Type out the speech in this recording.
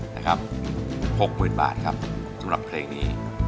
๖๐๐๐บาทครับสำหรับเพลงนี้